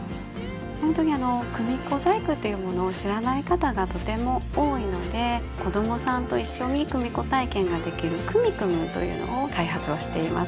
ほんとに組子細工というものを知らない方がとても多いので子どもさんと一緒に組子体験ができる「くみくむん」というのを開発をしております